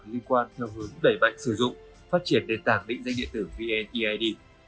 liên quan theo hướng đẩy mạnh sử dụng phát triển đền tảng định danh điện tử vned